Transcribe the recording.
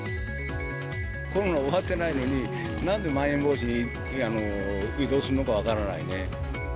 コロナ終わってないのに、なんでまん延防止に移行するのか分からないね。